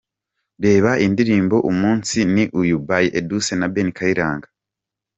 Reba indirimbo Umunsi Ni Uyu By Edouce na Ben Kayiranga.